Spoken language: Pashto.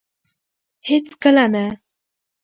هيڅ کله نه